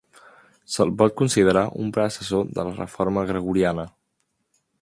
Se'l pot considerar un predecessor de la Reforma Gregoriana.